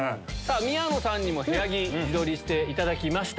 宮野さんにも部屋着自撮りしていただきました。